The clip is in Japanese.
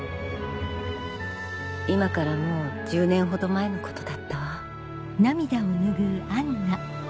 今からもう１０年ほど前のことだったわ。